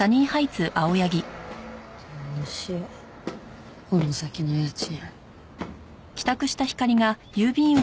どうしようこの先の家賃。